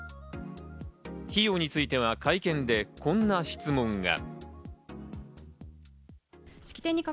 費用については会見でこんな質問が。